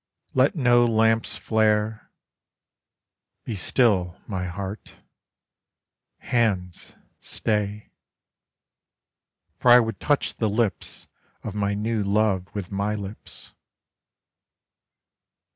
Let no lamps flare be still, my heart hands, stay: For I would touch the lips of my new love with my lips.